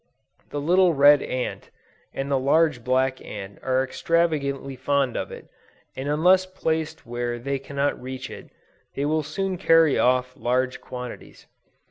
The little red ant, and the large black ant are extravagantly fond of it, and unless placed where they cannot reach it, they will soon carry off large quantities.